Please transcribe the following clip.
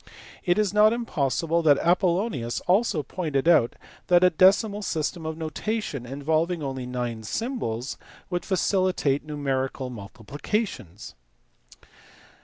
It is not impossible that Apollonius also pointed out that a decimal system of notation, involving only nine symbols, would facilitate numerical multiplications.